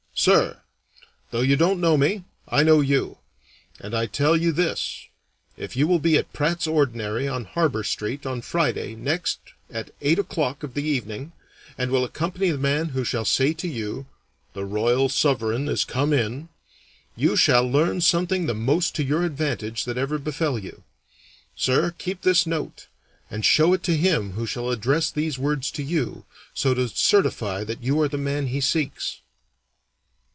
SIR, Though you don't know me, I know you, and I tell you this: if you will be at Pratt's Ordinary on Harbor Street on Friday next at eight o'clock of the evening, and will accompany the man who shall say to you, "The Royal Sovereign is come in," you shall learn something the most to your advantage that ever befell you. Sir, keep this note, and show it to him who shall address these words to you, so to certify that you are the man he seeks.